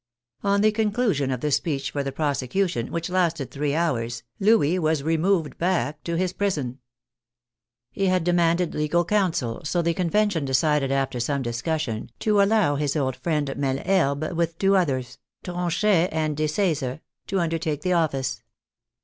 On the conclusion of the speech for the prose cution, which lasted three hours, Louis was removed back to his prison. He had demanded legal counsel, so the Convention decided after some discussion to allow his old friend Meleherbes, with two others. Tronchet and 54 THE FRENCH REVOLUTION Deseze, to undertake the office.